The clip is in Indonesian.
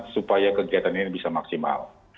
supaya kegiatan ini bisa maksimal